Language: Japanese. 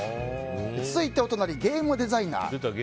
続いて、ゲームデザイナー。